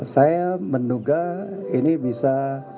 saya menduga ini bisa